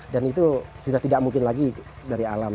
dan itu sudah tidak mungkin lagi dari alam